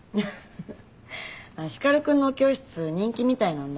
フフ光くんのお教室人気みたいなんだ。